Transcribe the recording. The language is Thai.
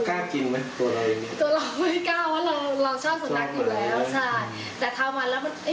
แล้วก็เลยลองทำตัวเนี่ยขายดู